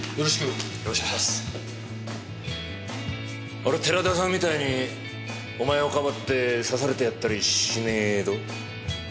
俺寺田さんみたいにお前をかばって刺されてやったりしねえぞ。